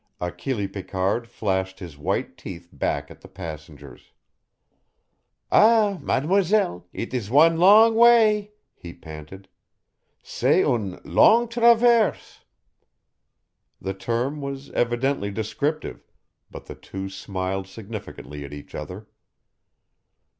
Achille Picard flashed his white teeth back at the passengers, "Ah, mademoiselle, eet is wan long way," he panted. "C'est une longue traverse!" The term was evidently descriptive, but the two smiled significantly at each other.